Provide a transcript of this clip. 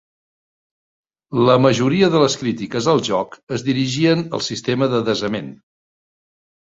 La majoria de les crítiques al joc es dirigien al sistema de desament.